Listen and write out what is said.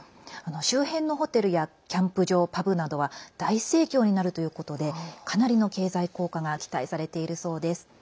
周辺のホテルやキャンプ場パブなどは大盛況になるということでかなりの経済効果が期待されているそうです。